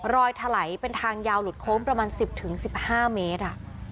รอยเถลายเป็นทางยาวหลุดโค้งประมาณสิบถึงสิบห้าเมตร